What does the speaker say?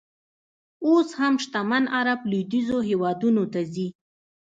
اوس هم شتمن عر ب لویدیځو هېوادونو ته ځي.